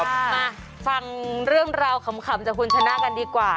มาฟังเรื่องราวขำจากคุณชนะกันดีกว่า